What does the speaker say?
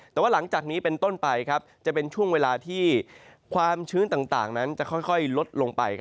แต่ว่าหลังจากนี้เป็นต้นไปจะเป็นช่วงเวลาที่ความชื้นต่างนั้นจะค่อยลดลงไป